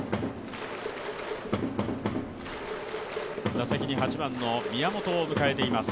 打席に８番の宮本を迎えています。